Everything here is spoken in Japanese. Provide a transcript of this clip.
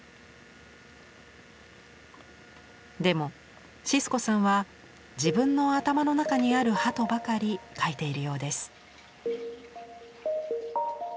でもシスコさんは自分の頭の中にあるハトばかり描いているようです。